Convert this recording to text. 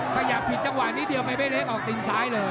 ขยับผิดจังหวะนิดเดียวไปเบ้เล็กออกตีนซ้ายเลย